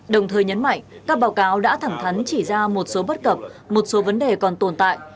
đồng thời nhấn mạnh các báo cáo đã thẳng thắn chỉ ra một số bất cập một số vấn đề còn tồn tại